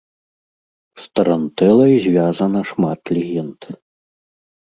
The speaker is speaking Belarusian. З тарантэлай звязана шмат легенд.